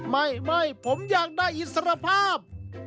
ไม่ผมอยากได้อิสรภาพ